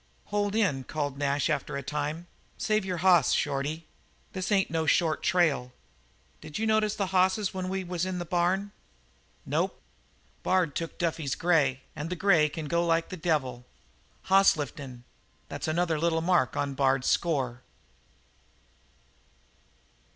"Hold in," called Nash after a time. "Save your hoss, Shorty. This ain't no short trail. D'you notice the hosses when we was in the barn?" "Nope." "Bard took Duffy's grey, and the grey can go like the devil. Hoss liftin'? That's another little mark on Bard's score."